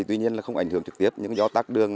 tuy nhiên không ảnh hưởng trực tiếp những gió tác đường